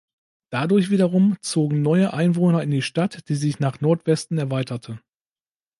Dadurch wiederum zogen neue Einwohner in die Stadt, die sich nach Nordwesten erweiterte.